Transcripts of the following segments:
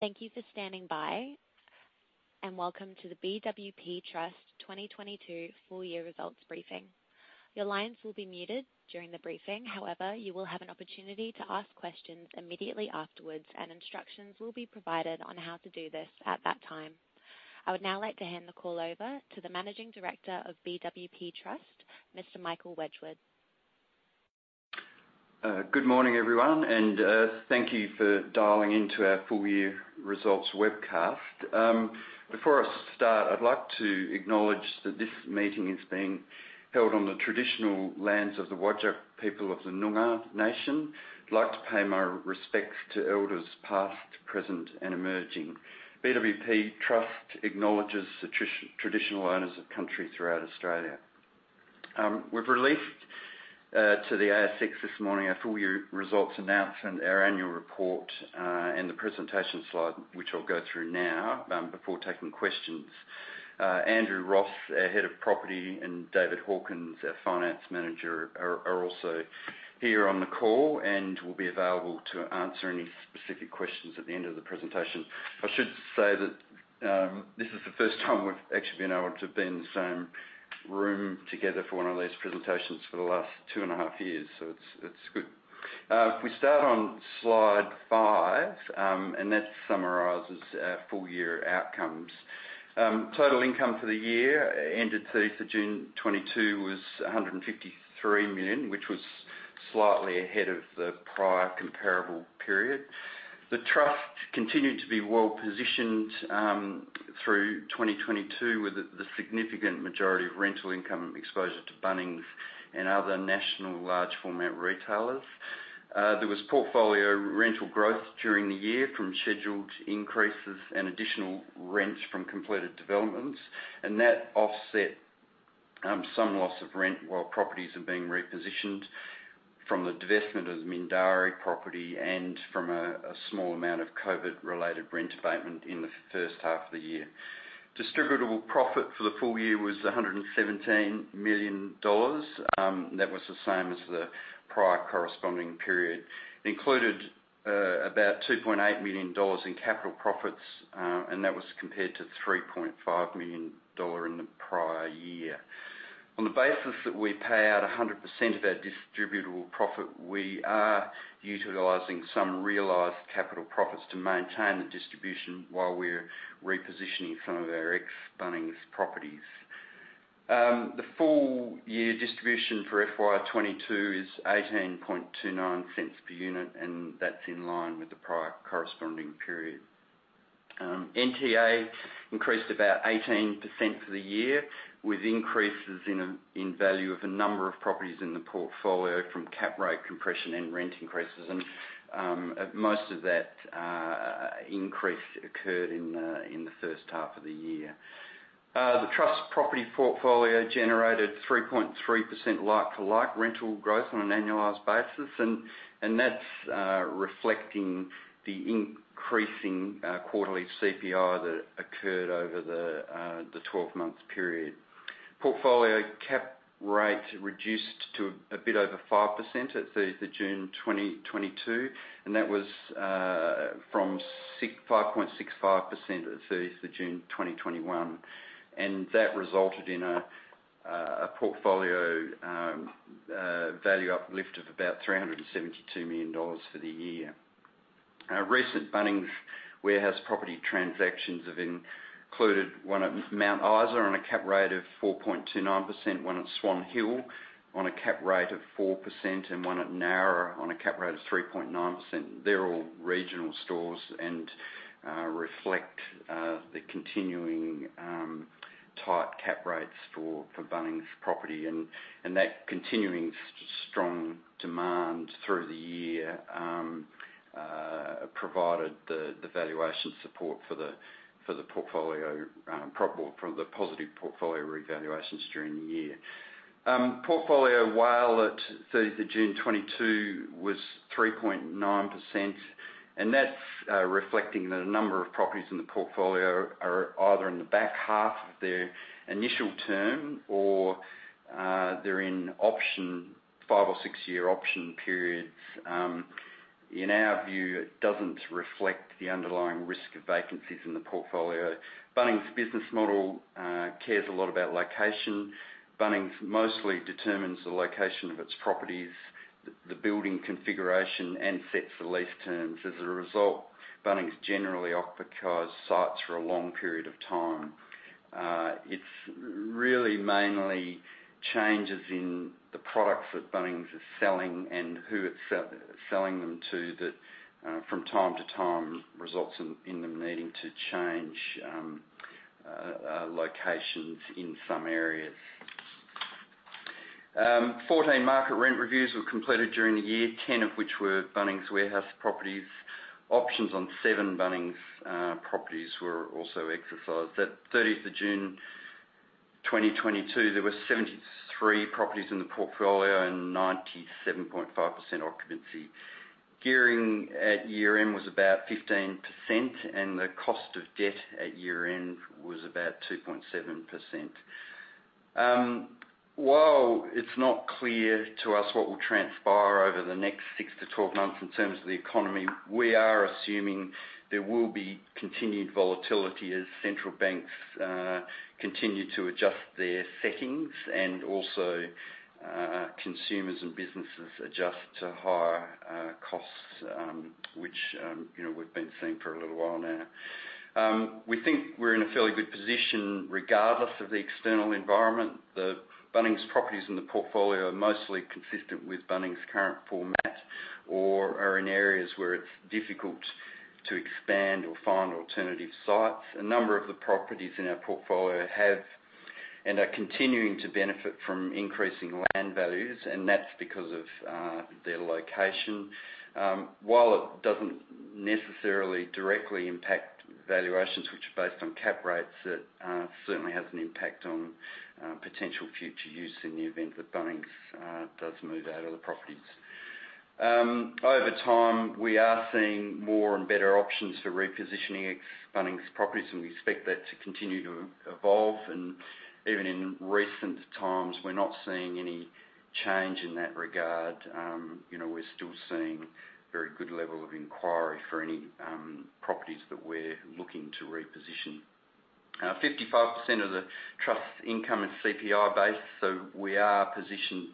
Thank you for standing by, and welcome to the BWP Trust 2022 full year results briefing. Your lines will be muted during the briefing. However, you will have an opportunity to ask questions immediately afterwards, and instructions will be provided on how to do this at that time. I would now like to hand the call over to the Managing Director of BWP Trust, Mr. Michael Wedgwood. Good morning, everyone, and thank you for dialing into our full year results webcast. Before I start, I'd like to acknowledge that this meeting is being held on the traditional lands of the Whadjuk people of the Noongar Nation. I'd like to pay my respects to elders past, present, and emerging. BWP Trust acknowledges the traditional owners of country throughout Australia. We've released to the ASX this morning our full year results announcement, our annual report, and the presentation slide, which I'll go through now, before taking questions. Andrew Ross, our Head of Property, and David Hawkins, our Finance Manager, are also here on the call and will be available to answer any specific questions at the end of the presentation. I should say that this is the first time we've actually been able to be in the same room together for one of these presentations for the last two and a half years. It's good. If we start on slide five, and that summarizes our full year outcomes. Total income for the year ended 30th of June 2022 was 153 million, which was slightly ahead of the prior comparable period. The Trust continued to be well positioned through 2022, with the significant majority of rental income exposure to Bunnings and other national large format retailers. There was portfolio rental growth during the year from scheduled increases and additional rents from completed developments, and that offset some loss of rent while properties are being repositioned from the divestment of Mindarie property and from a small amount of COVID related rent abatement in the first half of the year. Distributable profit for the full year was 117 million dollars. That was the same as the prior corresponding period. Included about 2.8 million dollars in capital profits, and that was compared to 3.5 million dollar in the prior year. On the basis that we pay out 100% of our distributable profit, we are utilizing some realized capital profits to maintain the distribution while we're repositioning some of our ex-Bunnings properties. The full year distribution for FY 2022 is 0.1829 per unit, and that's in line with the prior corresponding period. NTA increased about 18% for the year, with increases in value of a number of properties in the portfolio from cap rate compression and rent increases. Most of that increase occurred in the first half of the year. The Trust property portfolio generated 3.3% like-for-like rental growth on an annualized basis, and that's reflecting the increasing quarterly CPI that occurred over the 12-month period. Portfolio cap rate reduced to a bit over 5% at 30th June 2022, and that was from 5.65% at 30th June 2021, and that resulted in a portfolio value uplift of about 372 million dollars for the year. Our recent Bunnings Warehouse property transactions have included one at Mount Isa on a cap rate of 4.29%, one at Swan Hill on a cap rate of 4%, and one at Nowra on a cap rate of 3.9%. They're all regional stores and reflect the continuing tight cap rates for Bunnings property. That continuing strong demand through the year provided the valuation support for the portfolio for the positive portfolio revaluations during the year. Portfolio WALE as at 30 June 2022 was 3.9%, and that's reflecting that a number of properties in the portfolio are either in the back half of their initial term or they're in option five or six-year option periods. In our view, it doesn't reflect the underlying risk of vacancies in the portfolio. Bunnings' business model cares a lot about location. Bunnings mostly determines the location of its properties, the building configuration, and sets the lease terms. As a result, Bunnings generally occupies sites for a long period of time. It's really mainly changes in the products that Bunnings is selling and who it's selling them to that from time to time results in them needing to change locations in some areas. 14 market rent reviews were completed during the year, 10 of which were Bunnings Warehouse properties. Options on seven Bunnings properties were also exercised. At 30th of June 2022, there were 73 properties in the portfolio and 97.5% occupancy. Gearing at year-end was about 15%, and the cost of debt at year-end was about 2.7%. While it's not clear to us what will transpire over the next six-12 months in terms of the economy, we are assuming there will be continued volatility as central banks continue to adjust their settings, and also, consumers and businesses adjust to higher costs, which, you know, we've been seeing for a little while now. We think we're in a fairly good position regardless of the external environment. The Bunnings properties in the portfolio are mostly consistent with Bunnings' current format, or are in areas where it's difficult to expand or find alternative sites. A number of the properties in our portfolio have, and are continuing to benefit from increasing land values, and that's because of their location. While it doesn't necessarily directly impact valuations which are based on cap rates, it certainly has an impact on potential future use in the event that Bunnings does move out of the properties. Over time, we are seeing more and better options for repositioning ex-Bunnings properties, and we expect that to continue to evolve. Even in recent times, we're not seeing any change in that regard. You know, we're still seeing very good level of inquiry for any properties that we're looking to reposition. 55% of the trust income is CPI-based, so we are positioned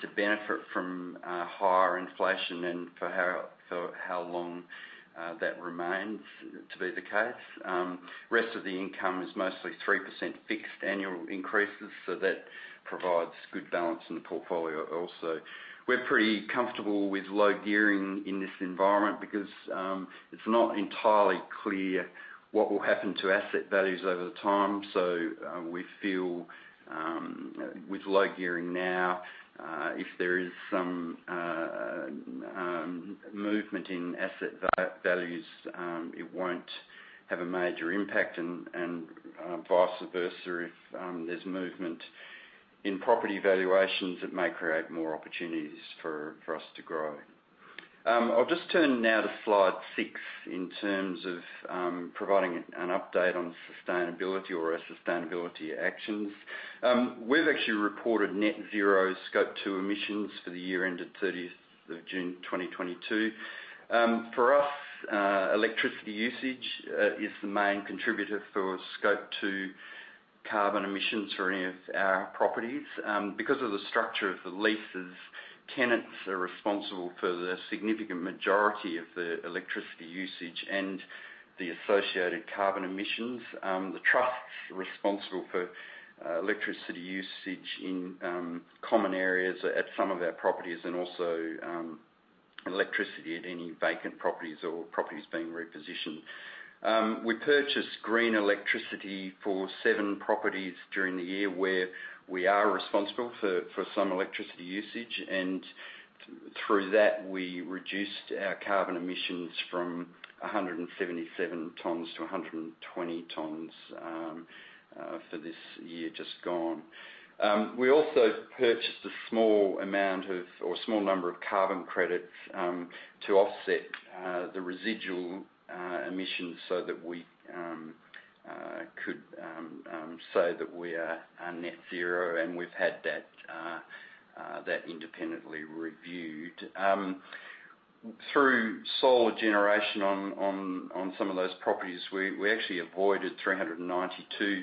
to benefit from higher inflation and for how long that remains to be the case. Rest of the income is mostly 3% fixed annual increases, so that provides good balance in the portfolio also. We're pretty comfortable with low gearing in this environment because it's not entirely clear what will happen to asset values over time. We feel with low gearing now, if there is some movement in asset values, it won't have a major impact and vice versa if there's movement in property valuations, it may create more opportunities for us to grow. I'll just turn now to slide six in terms of providing an update on sustainability or our sustainability actions. We've actually reported net zero Scope two emissions for the year ended 30th of June 2022. For us, electricity usage is the main contributor for Scope two carbon emissions for any of our properties. Because of the structure of the leases, tenants are responsible for the significant majority of the electricity usage and the associated carbon emissions. The Trust's responsible for electricity usage in common areas at some of our properties and also electricity at any vacant properties or properties being repositioned. We purchased green electricity for seven properties during the year where we are responsible for some electricity usage, and through that, we reduced our carbon emissions from 177 tons to 120 tons for this year just gone. We also purchased a small amount of, or small number of carbon credits, to offset the residual emissions so that we could say that we are net zero, and we've had that independently reviewed. Through solar generation on some of those properties, we actually avoided 392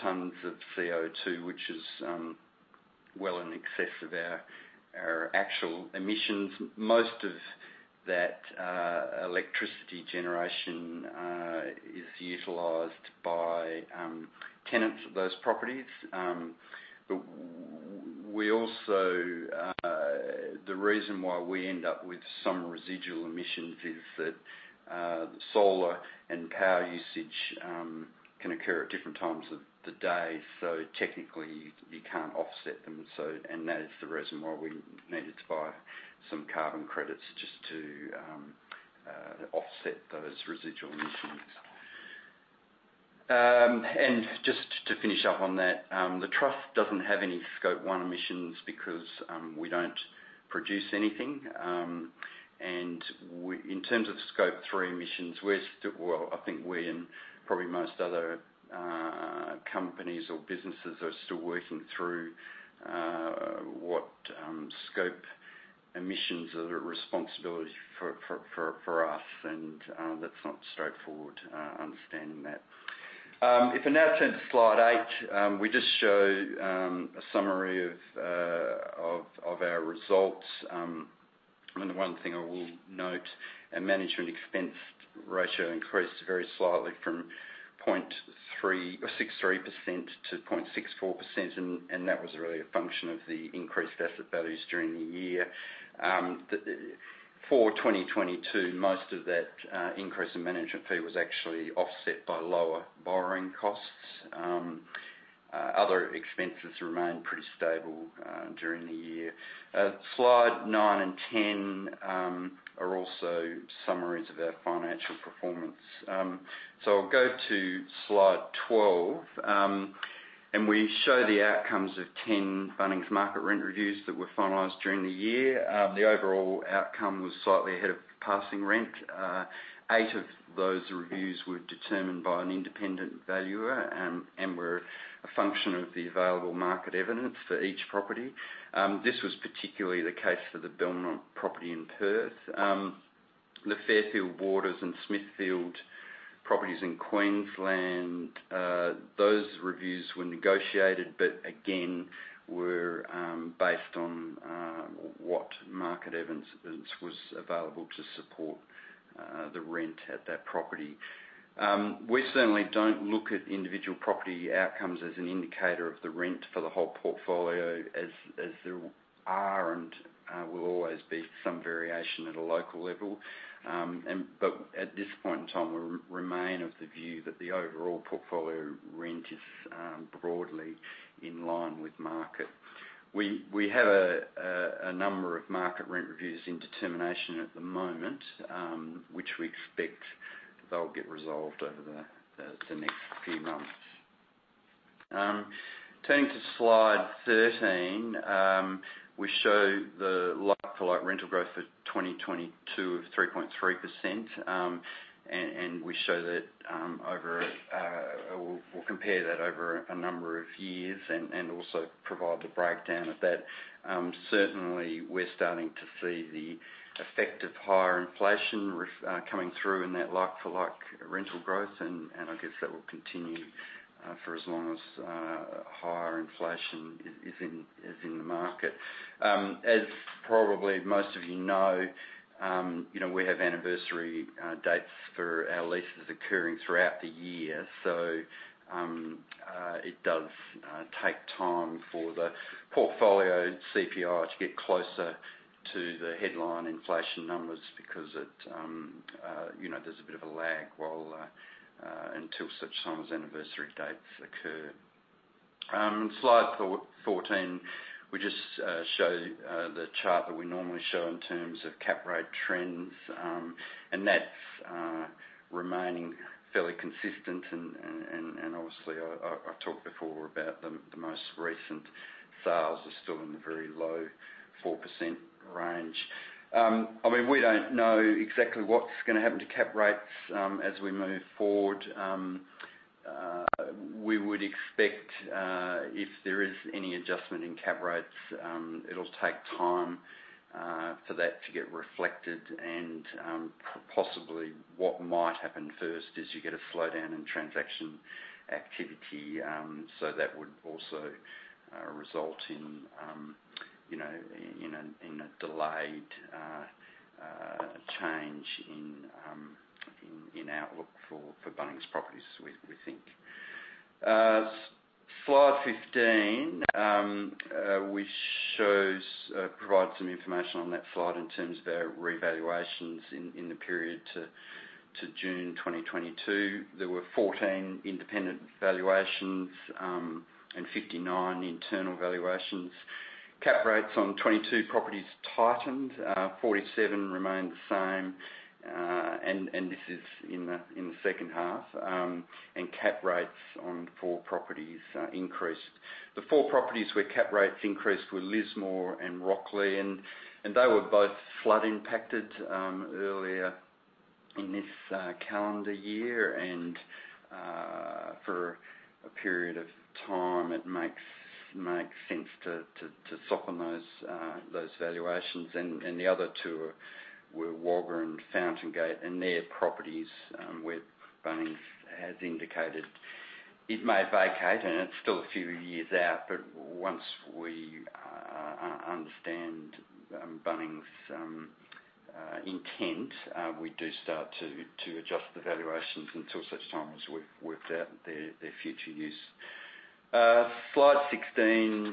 tons of CO2, which is well in excess of our actual emissions. Most of that electricity generation is utilized by tenants of those properties. We also. The reason why we end up with some residual emissions is that the solar and power usage can occur at different times of the day. Technically you can't offset them. That is the reason why we needed to buy some carbon credits just to offset those residual emissions. Just to finish up on that, the trust doesn't have any Scope one emissions because we don't produce anything. In terms of Scope three emissions, I think we and probably most other companies or businesses are still working through what Scope emissions are the responsibility for us. That's not straightforward, understanding that. If I now turn to slide eight, we just show a summary of our results. The one thing I will note, our management expense ratio increased very slightly from 0.36%-0.64 %, and that was really a function of the increased asset values during the year. For 2022, most of that increase in management fee was actually offset by lower borrowing costs. Other expenses remained pretty stable during the year. Slide 9 and 10 are also summaries of our financial performance. I'll go to slide 12. We show the outcomes of 10 Bunnings market rent reviews that were finalized during the year. The overall outcome was slightly ahead of passing rent. Eight of those reviews were determined by an independent valuer and were a function of the available market evidence for each property. This was particularly the case for the Belmont property in Perth. The Fairfield Waters and Smithfield properties in Queensland, those reviews were negotiated, but again were based on what market evidence was available to support the rent at that property. We certainly don't look at individual property outcomes as an indicator of the rent for the whole portfolio as there are and will always be some variation at a local level. At this point in time, we remain of the view that the overall portfolio rent is broadly in line with market. We have a number of market rent reviews in determination at the moment, which we expect they'll get resolved over the next few months. Turning to Slide 13, we show the like-for-like rental growth for 2022 of 3.3%. We show that or we'll compare that over a number of years and also provide the breakdown of that. Certainly, we're starting to see the effect of higher inflation coming through in that like-for-like rental growth, and I guess that will continue for as long as higher inflation is in the market. As probably most of you know, you know, we have anniversary dates for our leases occurring throughout the year. It does take time for the portfolio CPI to get closer to the headline inflation numbers because it, you know, there's a bit of a lag while until such time as anniversary dates occur. Slide 414, we just show the chart that we normally show in terms of cap rate trends. That's remaining fairly consistent and obviously, I've talked before about the most recent sales are still in the very low 4% range. I mean, we don't know exactly what's gonna happen to cap rates as we move forward. We would expect if there is any adjustment in cap rates, it'll take time for that to get reflected. Possibly what might happen first is you get a slowdown in transaction activity. So that would also result in, you know, in a delayed change in outlook for Bunnings properties, we think. Slide 15 provides some information on that slide in terms of our revaluations in the period to June 2022. There were 14 independent valuations and 59 internal valuations. Cap rates on 22 properties tightened, 47 remained the same, and this is in the second half. Cap rates on four properties increased. The four properties where cap rates increased were Lismore and Rocklea, and they were both flood impacted earlier in this calendar year. For a period of time, it makes sense to soften those valuations. The other two were Wagga and Fountain Gate, and they're properties where Bunnings has indicated it may vacate, and it's still a few years out. Once we understand Bunnings' intent, we do start to adjust the valuations until such time as we've worked out their future use. Slide 16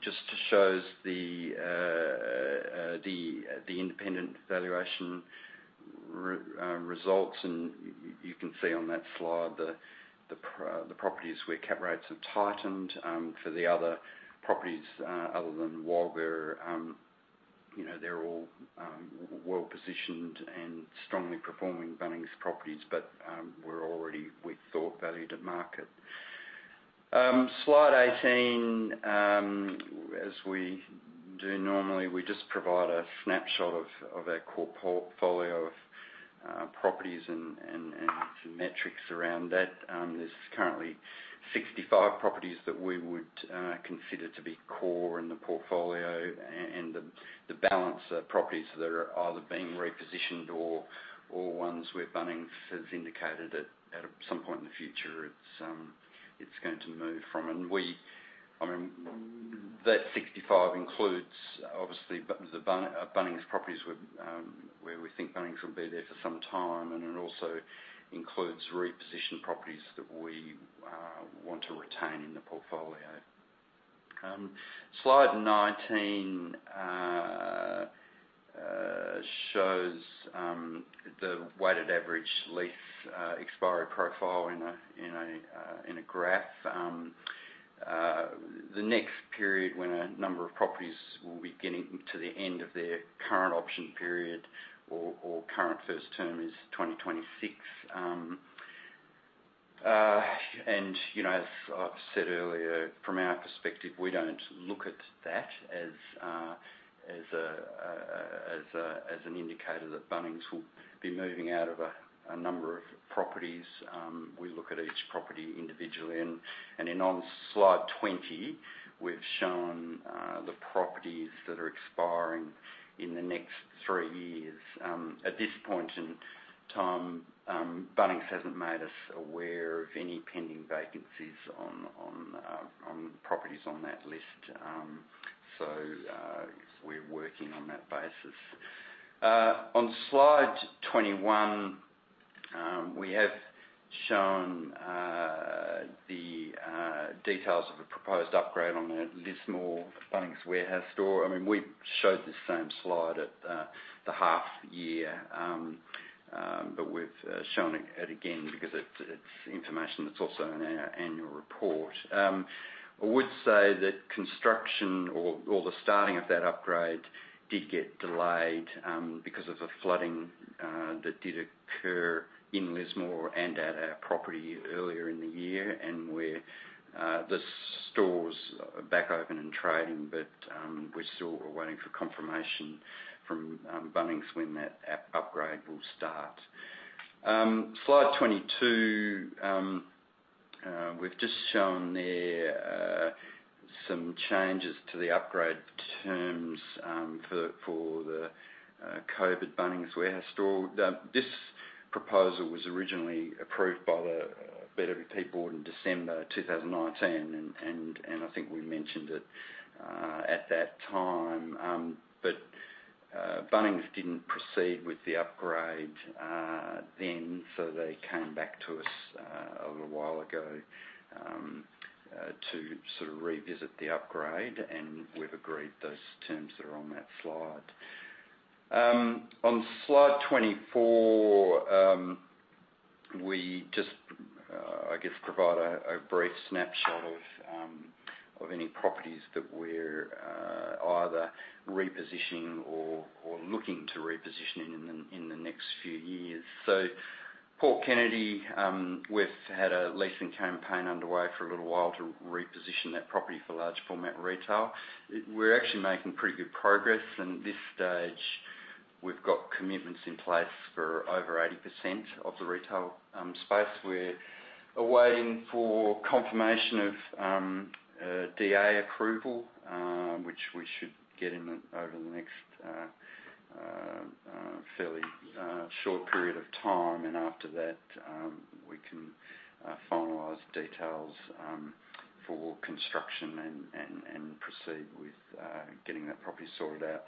just shows the independent valuation results. You can see on that slide the properties where cap rates have tightened, for the other properties other than Wagga are, you know, they're all well positioned and strongly performing Bunnings properties. We're already, we thought, valued at market. Slide 18, as we do normally, we just provide a snapshot of our core portfolio of properties and some metrics around that. There's currently 65 properties that we would consider to be core in the portfolio. The balance are properties that are either being repositioned or ones where Bunnings has indicated at some point in the future, it's going to move from. I mean, that 65 includes obviously Bunnings properties where we think Bunnings will be there for some time, and it also includes repositioned properties that we want to retain in the portfolio. Slide 19 shows the weighted average lease expiry profile in a graph. The next period when a number of properties will be getting to the end of their current option period or current first term is 2026. You know, as I've said earlier, from our perspective, we don't look at that as an indicator that Bunnings will be moving out of a number of properties. We look at each property individually. Then on slide 20, we've shown the properties that are expiring in the next three years. At this point in time, Bunnings hasn't made us aware of any pending vacancies on properties on that list. We're working on that basis. On slide 21, we have shown the details of a proposed upgrade on the Lismore Bunnings Warehouse store. I mean, we showed this same slide at the half year. But we've shown it again because it's information that's also in our annual report. I would say that construction or the starting of that upgrade did get delayed because of the flooding that did occur in Lismore and at our property earlier in the year. We're the store's back open and trading, but we're still waiting for confirmation from Bunnings when that upgrade will start. Slide 22, we've just shown there some changes to the upgrade terms for the Coburg Bunnings Warehouse store. This proposal was originally approved by the BWP board in December 2019, and I think we mentioned it at that time. Bunnings didn't proceed with the upgrade then, so they came back to us a while ago to sort of revisit the upgrade, and we've agreed those terms that are on that slide. On slide 24, we just, I guess, provide a brief snapshot of any properties that we're either repositioning or looking to reposition in the next few years. Port Kennedy, we've had a leasing campaign underway for a little while to reposition that property for large format retail. We're actually making pretty good progress. In this stage, we've got commitments in place for over 80% of the retail space. We're awaiting confirmation of DA approval, which we should get in the next fairly short period of time. After that, we can finalize details for construction and proceed with getting that property sorted out.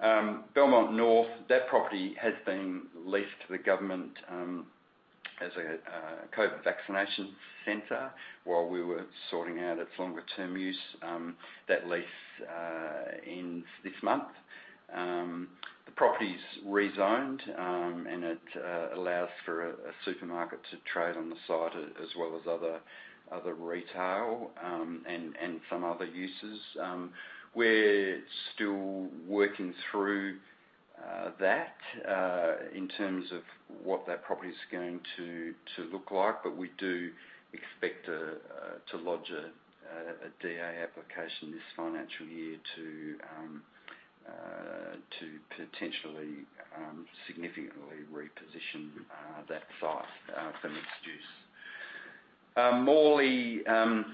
Belmont North, that property has been leased to the government as a COVID vaccination center while we were sorting out its longer term use. That lease ends this month. The property's rezoned, and it allows for a supermarket to trade on the site as well as other retail and some other uses. We're still working through that in terms of what that property is going to look like. We do expect to lodge a DA application this financial year to potentially significantly reposition that site for mixed use. Morley,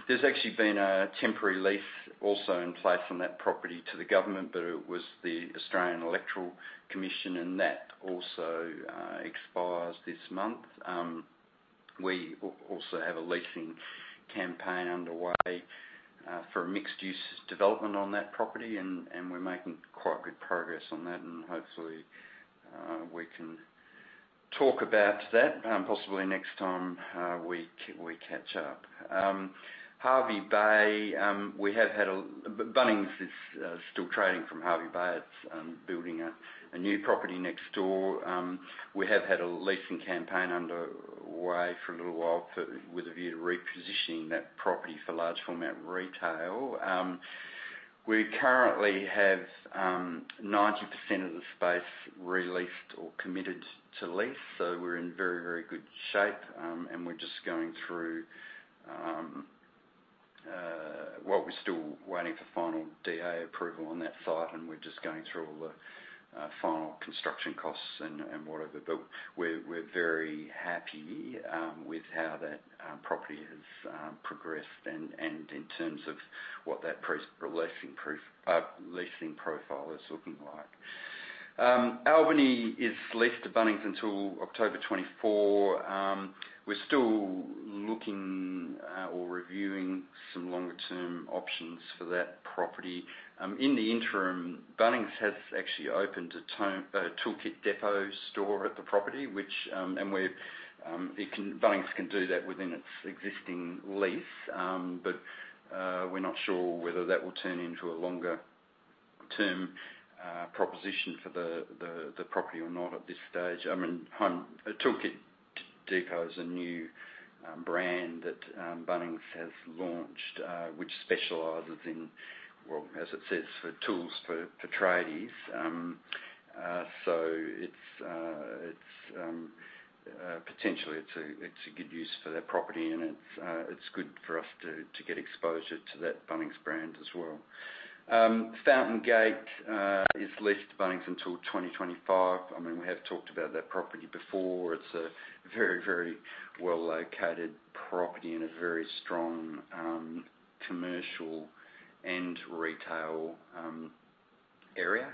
there's actually been a temporary lease also in place on that property to the government, but it was the Australian Electoral Commission, and that also expires this month. We also have a leasing campaign underway for a mixed use development on that property, and we're making quite good progress on that, and hopefully we can talk about that possibly next time we catch up. Hervey Bay, we have had a Bunnings. Bunnings is still trading from Hervey Bay. It's building a new property next door. We have had a leasing campaign underway for a little while with a view to repositioning that property for large format retail. We currently have 90% of the space re-leased or committed to lease. We're in very good shape, and we're just going through. Well, we're still waiting for final DA approval on that site, and we're just going through all the final construction costs and whatever. We're very happy with how that property has progressed and in terms of what that leasing profile is looking like. Albany is leased to Bunnings until October 2024. We're still looking or reviewing some longer term options for that property. In the interim, Bunnings has actually opened a Tool Kit Depot store at the property, which Bunnings can do within its existing lease, but we're not sure whether that will turn into a longer term proposition for the property or not at this stage. I mean, Tool Kit Depot is a new brand Bunnings has launched, which specializes in, well, as it says, for tools for tradies. It's a good use for their property, and it's good for us to get exposure to that Bunnings brand as well. Fountain Gate is leased to Bunnings until 2025. I mean, we have talked about that property before. It's a very well-located property in a very strong commercial and retail area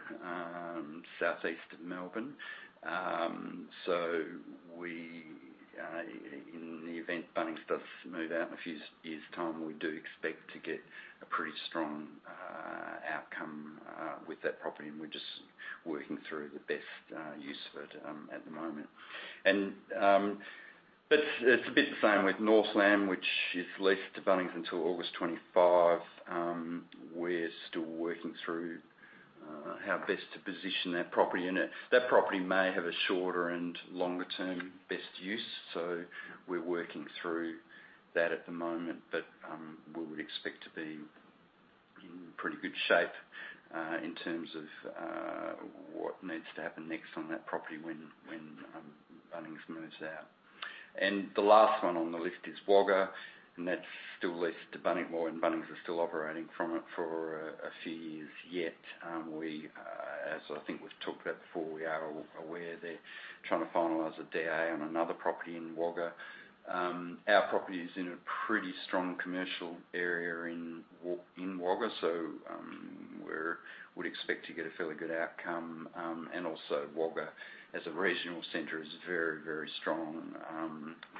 southeast of Melbourne. In the event Bunnings does move out in a few years' time, we do expect to get a pretty strong outcome with that property, and we're just working through the best use of it at the moment. It's a bit the same with Northland, which is leased to Bunnings until August 2025. We're still working through how best to position that property. That property may have a shorter and longer-term best use. We're working through that at the moment, but we would expect to be in pretty good shape in terms of what needs to happen next on that property when Bunnings moves out. The last one on the list is Wagga, and that's still leased to Bunnings. Well, Bunnings are still operating from it for a few years yet. As I think we've talked about before, we are aware they're trying to finalize a DA on another property in Wagga. Our property is in a pretty strong commercial area in Wagga, so we would expect to get a fairly good outcome. Wagga, as a regional center, is very, very strong,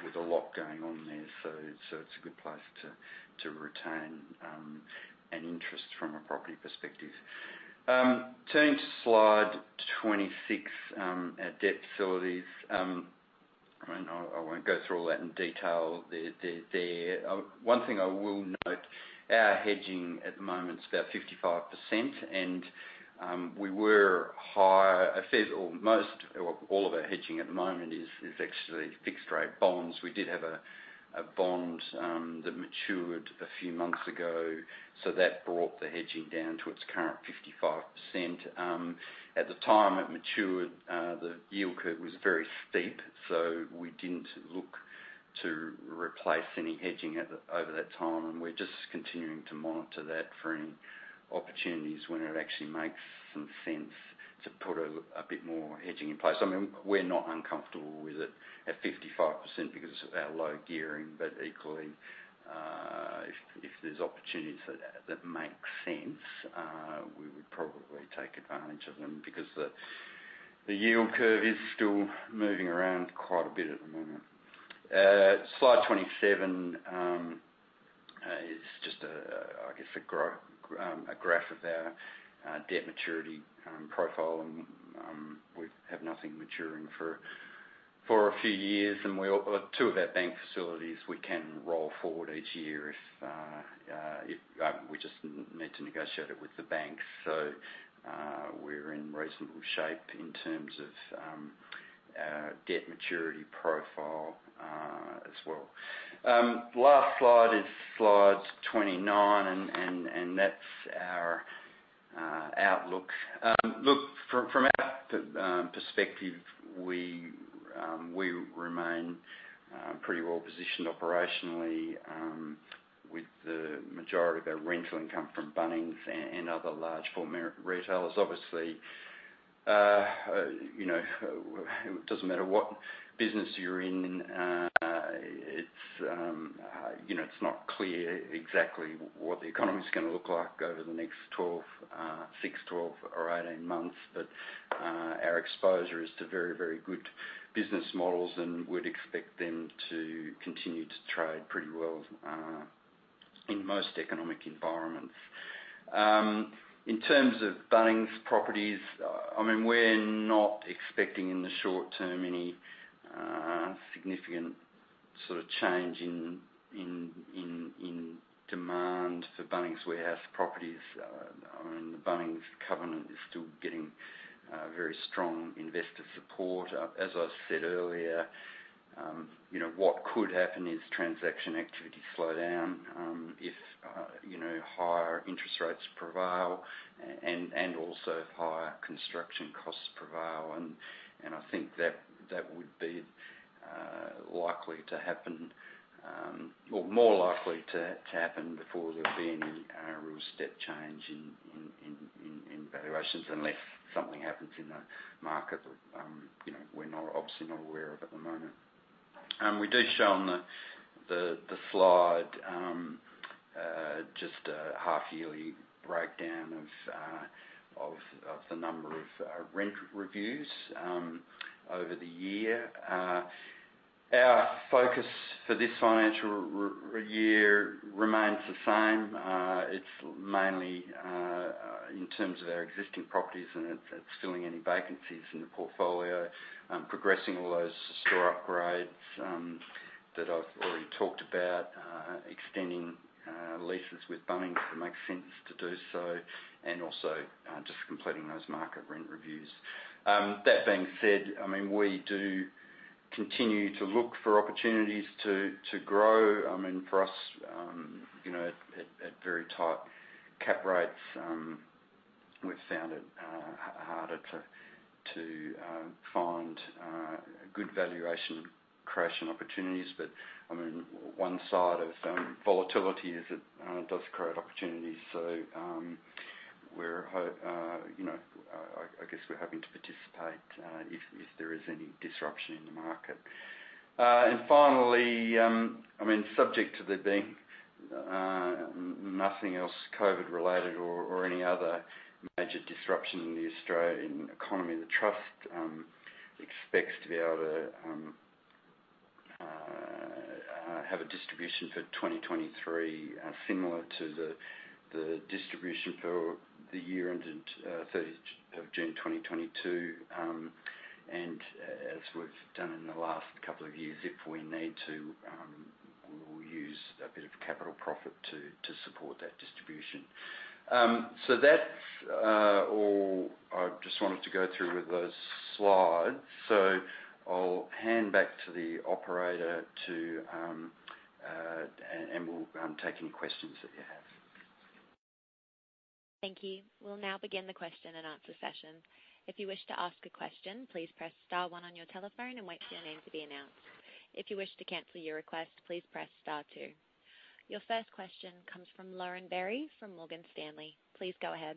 with a lot going on there, so it's a good place to retain an interest from a property perspective. Turning to slide 26, our debt facilities. I mean, I won't go through all that in detail. The one thing I will note, our hedging at the moment is about 55%, and we were higher. A fair or most or all of our hedging at the moment is actually fixed rate bonds. We did have a bond that matured a few months ago, so that brought the hedging down to its current 55%. At the time it matured, the yield curve was very steep, so we didn't look to replace any hedging at over that time. We're just continuing to monitor that for any opportunities when it actually makes some sense to put a bit more hedging in place. I mean, we're not uncomfortable with it at 55% because of our low gearing, but equally, if there's opportunities that make sense, we would probably take advantage of them because the yield curve is still moving around quite a bit at the moment. Slide 27 is just a graph, I guess, of our debt maturity profile. We have nothing maturing for a few years. Two of our bank facilities we can roll forward each year if we just need to negotiate it with the bank. We're in reasonable shape in terms of our debt maturity profile as well. Last slide is slide 29, and that's our outlook. Look, from our perspective, we remain pretty well positioned operationally with the majority of our rental income from Bunnings and other large format retailers. Obviously, you know, it doesn't matter what business you're in, it's you know, it's not clear exactly what the economy is gonna look like over the next six, 12 or 18 months. Our exposure is to very good business models, and we'd expect them to continue to trade pretty well in most economic environments. In terms of Bunnings properties, I mean, we're not expecting in the short term any significant sort of change in demand for Bunnings Warehouse properties. I mean, the Bunnings covenant is still getting very strong investor support. As I said earlier, you know, what could happen is transaction activity slow down, if you know, higher interest rates prevail and also if higher construction costs prevail. I think that would be likely to happen, or more likely to happen before there'll be any real step change in valuations, unless something happens in the market that, you know, we're obviously not aware of at the moment. We do show on the slide just a half-yearly breakdown of the number of rent reviews over the year. Our focus for this financial year remains the same. It's mainly in terms of our existing properties, and it's filling any vacancies in the portfolio, progressing all those store upgrades that I've already talked about, extending leases with Bunnings if it makes sense to do so, and also just completing those market rent reviews. That being said, I mean, we do continue to look for opportunities to grow. I mean, for us, you know, at very tight cap rates, we've found it harder to find good valuation creation opportunities. I mean, one side of volatility is it does create opportunities. You know, I guess we're having to participate if there is any disruption in the market. Finally, I mean, subject to there being nothing else COVID-related or any other major disruption in the Australian economy, the trust expects to be able to have a distribution for 2023, similar to the distribution for the year ended 30th of June 2022. As we've done in the last couple of years, if we need to, we will use a bit of capital profit to support that distribution. That's all I just wanted to go through with those slides. I'll hand back to the operator, and we'll take any questions that you have. Thank you. We'll now begin the question and answer session. If you wish to ask a question, please press star one on your telephone and wait for your name to be announced. If you wish to cancel your request, please press star two. Your first question comes from Lauren Berry from Morgan Stanley. Please go ahead.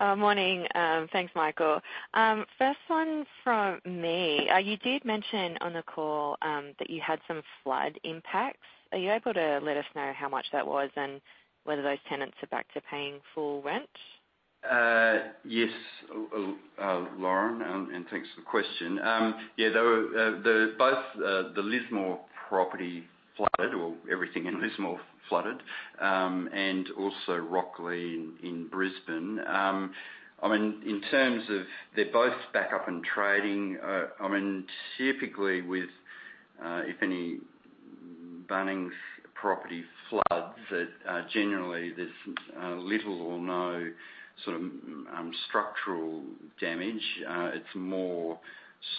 Morning. Thanks, Michael. First one from me. You did mention on the call that you had some flood impacts. Are you able to let us know how much that was and whether those tenants are back to paying full rent? Yes, Lauren, and thanks for the question. Yeah, there were both the Lismore property flooded or everything in Lismore flooded, and also Rocklea in Brisbane. I mean, in terms of they're both back up and trading, I mean, typically with if any Bunnings property floods that, generally there's little or no sort of structural damage. It's more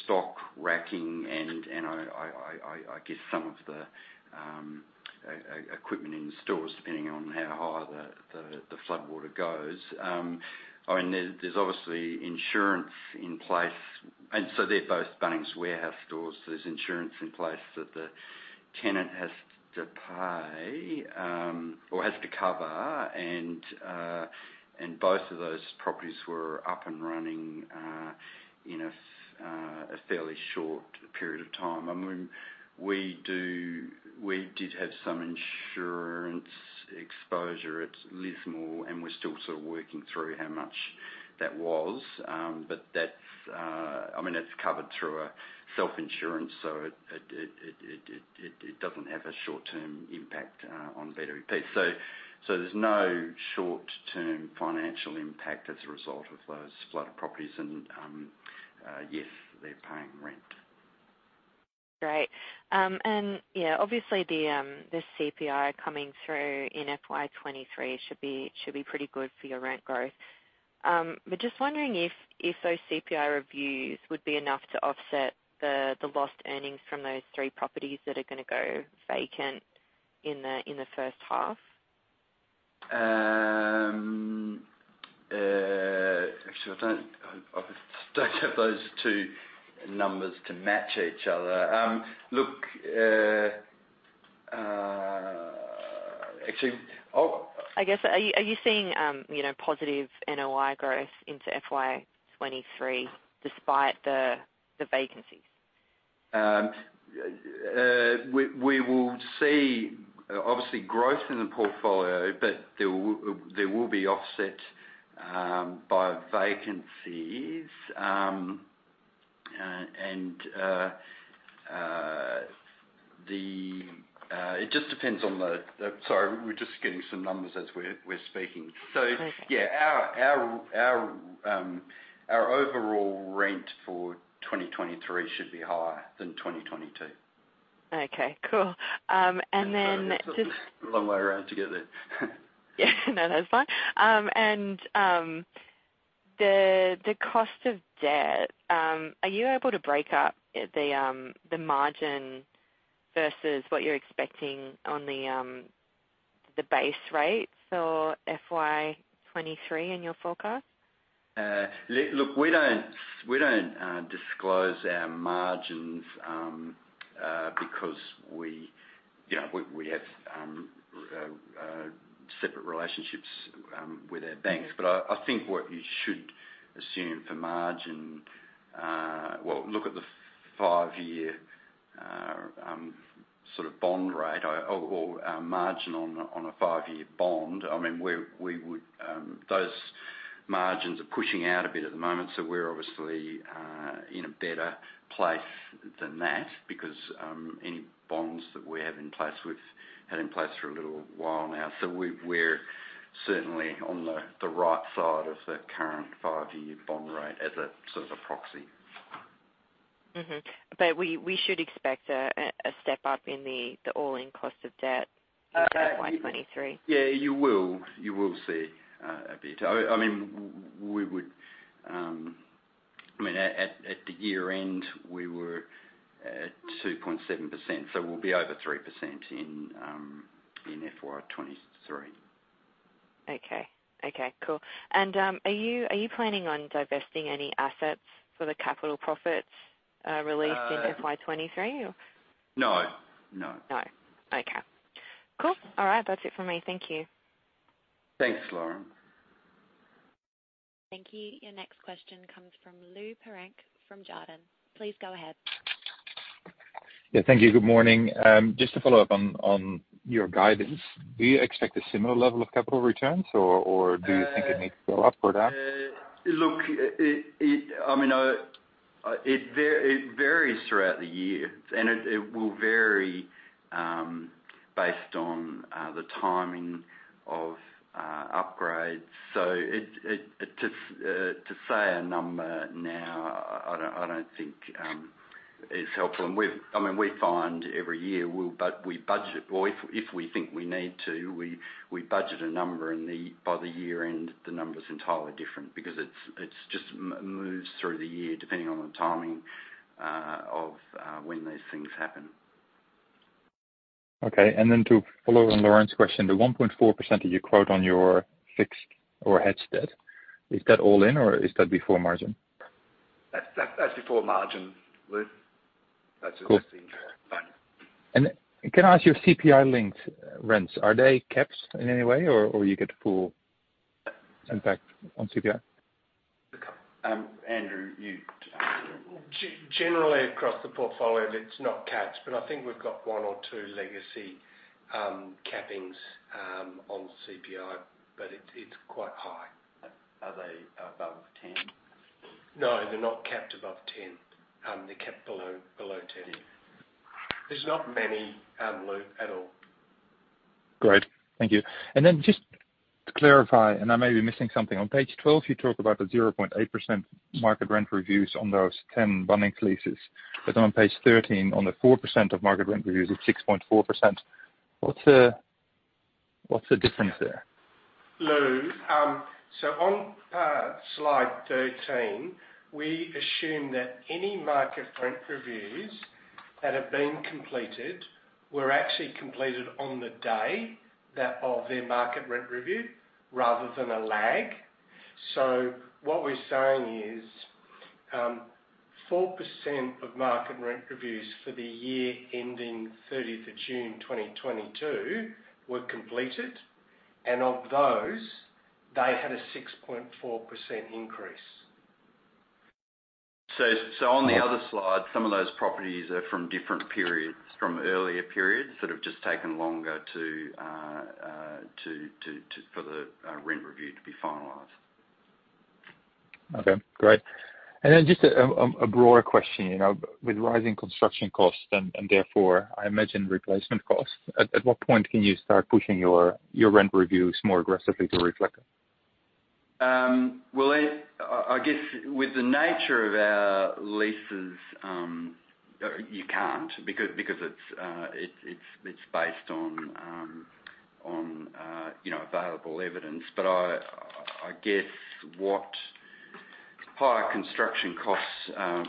stock racking and I guess some of the equipment in stores, depending on how high the floodwater goes. I mean, there's obviously insurance in place, and so they're both Bunnings Warehouse stores, so there's insurance in place that the tenant has to pay, or has to cover. Both of those properties were up and running in a fairly short period of time. I mean, we did have some insurance exposure at Lismore, and we're still sort of working through how much that was. But that's, I mean, that's covered through a self-insurance, so it doesn't have a short-term impact on BWP. There's no short-term financial impact as a result of those flooded properties. Yes, they're paying rent. Great. Yeah, obviously the CPI coming through in FY 2023 should be pretty good for your rent growth. Just wondering if those CPI reviews would be enough to offset the lost earnings from those three properties that are gonna go vacant in the first half. Actually, I don't have those two numbers to match each other. Look, actually, I'll- I guess, are you seeing, you know, positive NOI growth into FY 2023 despite the vacancies? We will see obviously growth in the portfolio, but there will be offset by vacancies. It just depends on the. Sorry, we're just getting some numbers as we're speaking. Perfect. Yeah, our overall rent for 2023 should be higher than 2022. Okay, cool. Sorry. That took me a long way around to get there. Yeah. No, that's fine. The cost of debt, are you able to break up the margin versus what you're expecting on the base rates for FY 2023 in your forecast? Look, we don't disclose our margins because we have separate relationships with our banks. Yeah. I think what you should assume for margin, well, look at the five-year sort of bond rate or margin on a five-year bond. I mean, those margins are pushing out a bit at the moment, so we're obviously in a better place than that because any bonds that we have in place, we've had in place for a little while now. So we're certainly on the right side of the current five-year bond rate as a sort of a proxy. We should expect a step up in the all-in cost of debt. Uh, y- in FY 2023. Yeah, you will. You will see a bit. I mean, at the year-end, we were at 2.7%, so we'll be over 3% in FY 2023. Okay. Okay, cool. Are you planning on divesting any assets for the capital profits released- Uh- in FY 2023 or? No. No. No. Okay. Cool. All right. That's it for me. Thank you. Thanks, Lauren. Thank you. Your next question comes from Lou Pirenc from Jarden. Please go ahead. Yeah, thank you. Good morning. Just to follow up on your guidance, do you expect a similar level of capital returns, or do you think it needs to go up or down? Look, it varies throughout the year, and it will vary based on the timing of upgrades. To say a number now, I don't think is helpful. I mean, we find every year we budget. Well, if we think we need to, we budget a number, and by the year-end, the number is entirely different because it just moves through the year, depending on the timing of when these things happen. Okay. To follow on Lauren's question, the 1.4% that you quote on your fixed or hedged debt, is that all in or is that before margin? That's before margin, Lou. That's- Cool. Just the entire fund. Can I ask you, CPI-linked rents, are they capped in any way or you get full impact on CPI? Andrew, you take that one. Generally, across the portfolio, it's not capped, but I think we've got one or two legacy cappings on CPI, but it's quite high. Are they above 10? No, they're not capped above 10. They're capped below 10. Okay. There's not many, Lou, at all. Great. Thank you. Then just to clarify, and I may be missing something. On page 12, you talk about the 0.8% market rent reviews on those 10 Bunnings leases. But on page 13, on the 4% of market rent reviews, it's 6.4%. What's the difference there? Lou, on slide 13, we assume that any market rent reviews that have been completed were actually completed on the day of their market rent review, rather than a lag. What we're saying is, 4% of market rent reviews for the year ending 30th of June 2022 were completed, and of those, they had a 6.4% increase. On the other slide, some of those properties are from different periods, from earlier periods that have just taken longer for the rent review to be finalized. Okay, great. Just a broader question, you know. With rising construction costs and therefore, I imagine replacement costs, at what point can you start pushing your rent reviews more aggressively to reflect that? I guess with the nature of our leases, you can't because it's based on, you know, available evidence. I guess with higher construction costs,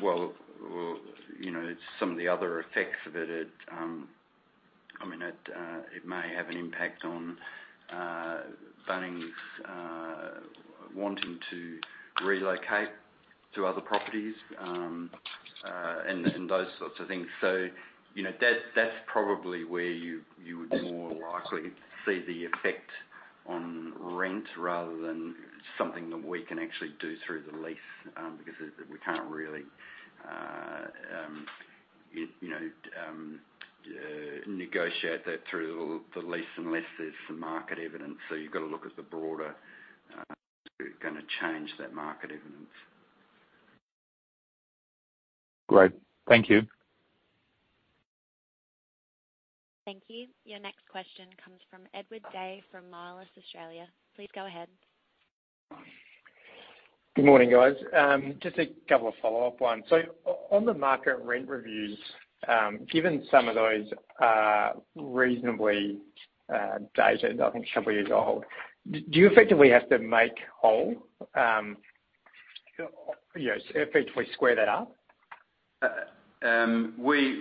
you know, some of the other effects of it, I mean, it may have an impact on Bunnings wanting to relocate to other properties, and those sorts of things. You know, that's probably where you would more likely see the effect on rent rather than something that we can actually do through the lease, because we can't really, you know, negotiate that through the lease unless there's some market evidence. You've got to look at the broader going to change that market evidence. Great. Thank you. Thank you. Your next question comes from Edward Day from Moelis Australia. Please go ahead. Good morning, guys. Just a couple of follow-up ones. On the market rent reviews, given some of those, reasonably dated, I think a couple years old, do you effectively have to make whole, you know, effectively square that up? We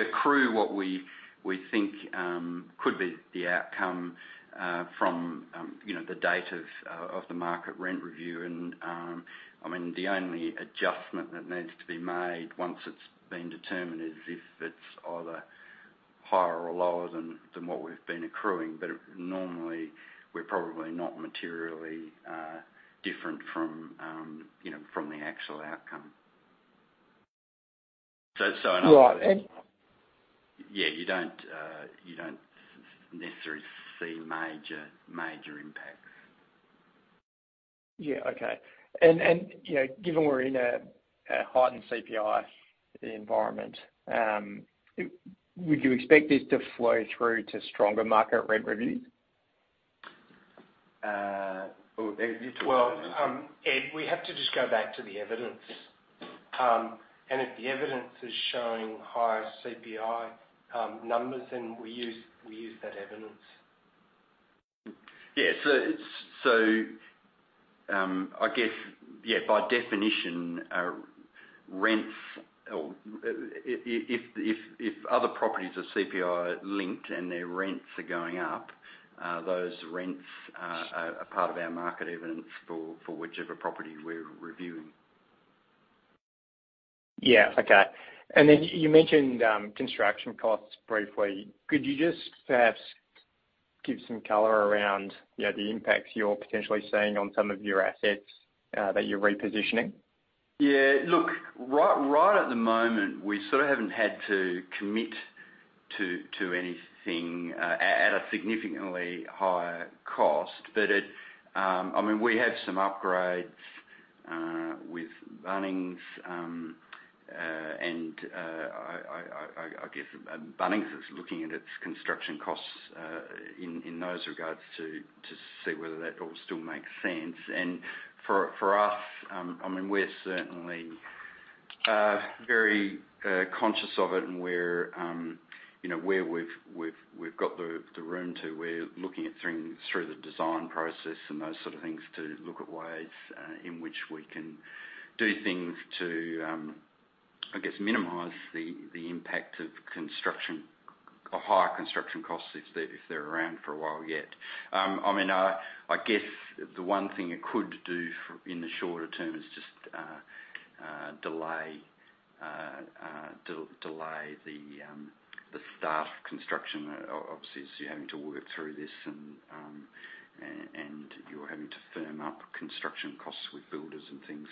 accrue what we think could be the outcome from you know the date of the market rent review. I mean, the only adjustment that needs to be made once it's been determined is if it's either higher or lower than what we've been accruing. But it normally, we're probably not materially different from you know from the actual outcome. In other words. Right. Yeah, you don't necessarily see major impacts. Yeah. Okay. You know, given we're in a heightened CPI environment, would you expect this to flow through to stronger market rent reviews? Well, Ed, we have to just go back to the evidence. If the evidence is showing higher CPI numbers, then we use that evidence. Yeah. I guess, yeah, by definition our rents or if other properties are CPI linked and their rents are going up, those rents are part of our market evidence for whichever property we're reviewing. Yeah. Okay. You mentioned construction costs briefly. Could you just perhaps give some color around, you know, the impacts you're potentially seeing on some of your assets that you're repositioning? Yeah. Look, right at the moment, we sort of haven't had to commit to anything at a significantly higher cost. But it, I mean, we had some upgrades with Bunnings, and I guess Bunnings is looking at its construction costs in those regards to see whether that all still makes sense. For us, I mean, we're certainly very conscious of it and we're, you know, where we've got the room to, we're looking at things through the design process and those sort of things to look at ways in which we can do things to, I guess, minimize the impact of construction or higher construction costs if they're around for a while yet. I mean, I guess the one thing it could do in the shorter term is just delay the start of construction obviously as you're having to work through this and you're having to firm up construction costs with builders and things.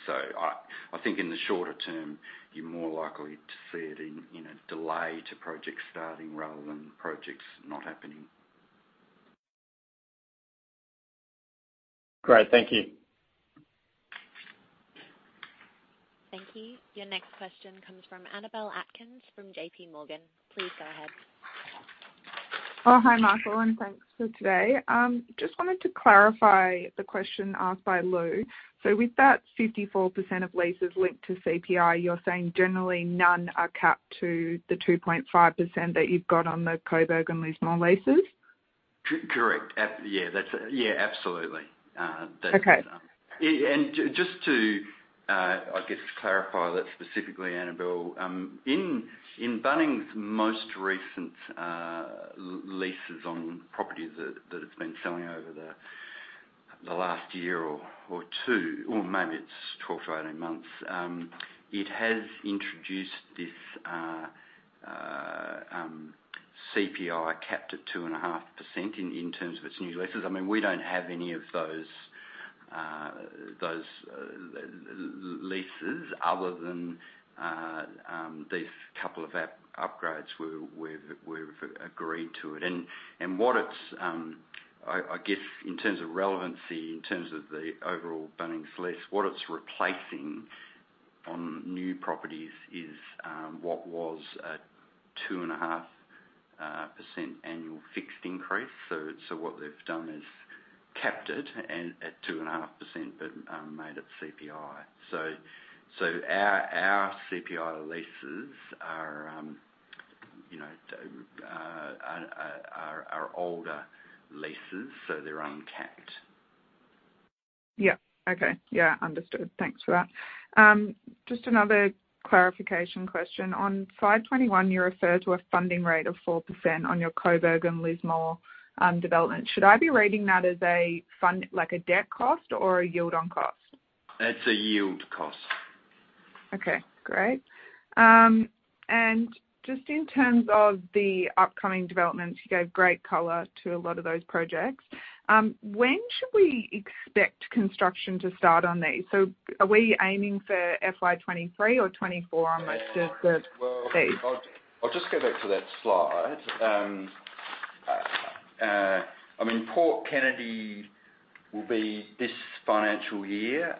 I think in the shorter term, you're more likely to see it in a delay to projects starting rather than projects not happening. Great. Thank you. Thank you. Your next question comes from Annabel Atkins from J.P. Morgan. Please go ahead. Oh, hi, Michael, and thanks for today. Just wanted to clarify the question asked by Lou. With that 54% of leases linked to CPI, you're saying generally none are capped to the 2.5% that you've got on the Coburg and Lismore leases? Correct. Yeah, that's it. Yeah, absolutely. Okay. Just to, I guess, clarify that specifically, Annabel, in Bunnings' most recent leases on properties that it's been selling over the last year or two, or maybe it's 12-18 months, it has introduced this CPI capped at 2.5% in terms of its new leases. I mean, we don't have any of those leases other than these couple of upgrades where we've agreed to it. What it's, I guess in terms of relevancy, in terms of the overall Bunnings lease, what it's replacing on new properties is what was a 2.5% annual fixed increase. What they've done is capped it at 2.5%, but made it CPI. Our CPI leases are, you know, older leases, so they're uncapped. Yeah. Okay. Yeah. Understood. Thanks for that. Just another clarification question. On slide 21, you refer to a funding rate of 4% on your Coburg and Lismore development. Should I be reading that as a fund, like a debt cost or a yield on cost? It's a yield cost. Okay, great. Just in terms of the upcoming developments, you gave great color to a lot of those projects. When should we expect construction to start on these? Are we aiming for FY 2023 or 2024 on most of the lease? Well, I'll just go back to that slide. I mean, Port Kennedy will be this financial year.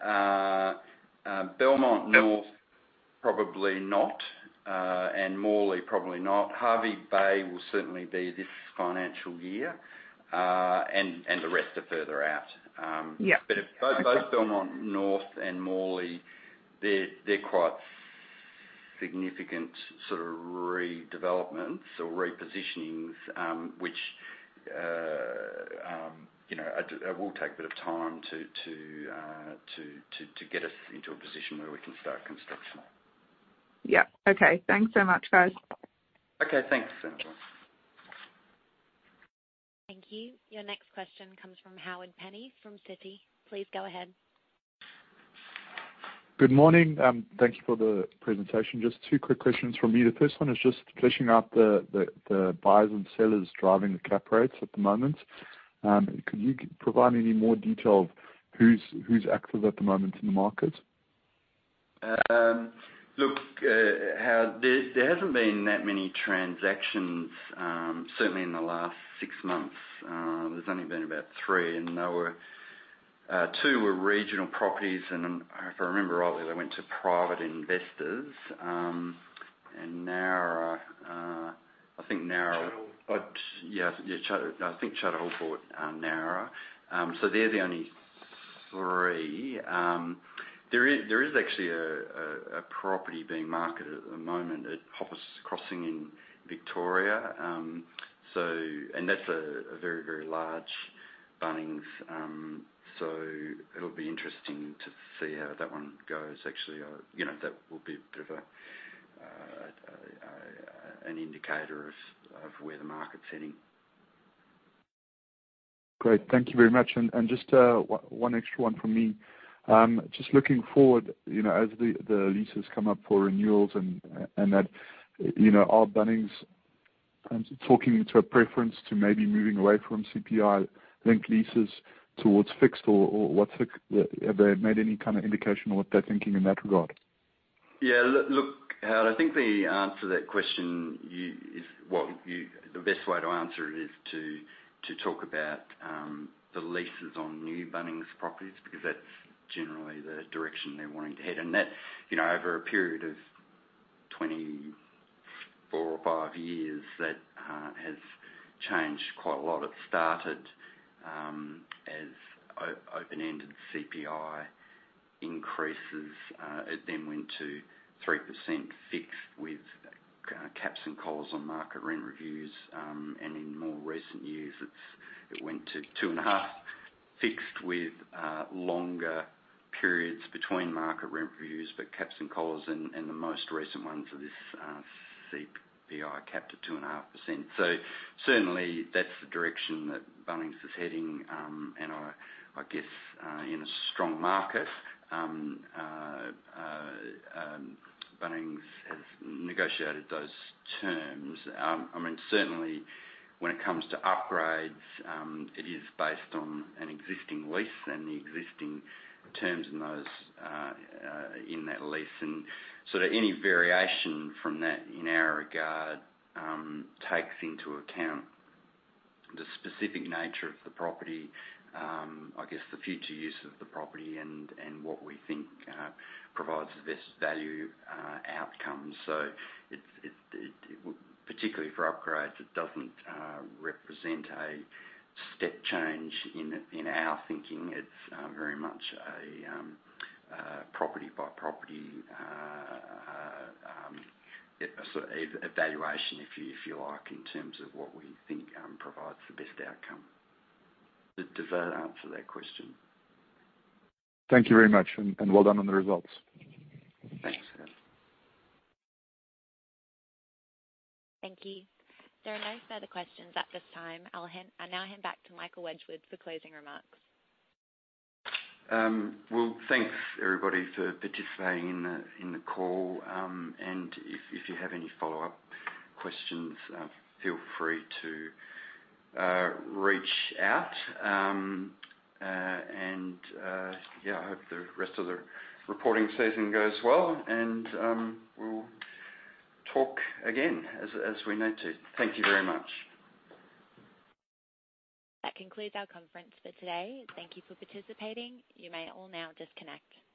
Belmont North, probably not, and Morley, probably not. Hervey Bay will certainly be this financial year, and the rest are further out. Yeah. Both Belmont North and Morley, they're quite significant sort of redevelopments or repositionings, which, you know, it will take a bit of time to get us into a position where we can start construction. Yeah. Okay. Thanks so much, guys. Okay, thanks, Annabel. Thank you. Your next question comes from Howard Penny from Citi. Please go ahead. Good morning. Thank you for the presentation. Just two quick questions from me. The first one is just fleshing out the buyers and sellers driving the cap rates at the moment. Could you provide any more detail of who's active at the moment in the market? Look, Howard, there hasn't been that many transactions, certainly in the last six months. There's only been about three, and two were regional properties, and if I remember rightly, they went to private investors. Nowra, I think Nowra. Charter Hall. Yeah, Charter Hall bought Nowra. They're the only three. There is actually a property being marketed at the moment at Hoppers Crossing in Victoria. And that's a very large Bunnings. It'll be interesting to see how that one goes. Actually, you know, that will be a bit of an indicator of where the market's heading. Great. Thank you very much. Just one extra one from me. Just looking forward, you know, as the leases come up for renewals and that, you know, are Bunnings indicating a preference to maybe moving away from CPI-linked leases towards fixed? Have they made any kind of indication of what they're thinking in that regard? Yeah, look, Howard, I think the answer to that question is what you... The best way to answer it is to talk about the leases on new Bunnings properties because that's generally the direction they're wanting to head. That, you know, over a period of 24 or 25 years, that has changed quite a lot. It started as open-ended CPI increases. It then went to 3% fixed with caps and collars on market rent reviews. In more recent years, it went to 2.5 fixed with longer periods between market rent reviews, but caps and collars in the most recent ones of this, CPI capped at 2.5%. Certainly, that's the direction that Bunnings is heading. I guess in a strong market, Bunnings has negotiated those terms. I mean, certainly when it comes to upgrades, it is based on an existing lease and the existing terms in that lease. So that any variation from that in our regard takes into account the specific nature of the property, I guess the future use of the property and what we think provides the best value outcome. Particularly for upgrades, it doesn't represent a step change in our thinking. It's very much a property by property sort of evaluation, if you like, in terms of what we think provides the best outcome. Does that answer that question? Thank you very much, and well done on the results. Thanks, Howard. Thank you. There are no further questions at this time. I now hand back to Michael Wedgwood for closing remarks. Well, thanks everybody for participating in the call, and if you have any follow-up questions, feel free to reach out. Yeah, I hope the rest of the reporting season goes well, and we'll talk again as we need to. Thank you very much. That concludes our conference for today. Thank you for participating. You may all now disconnect.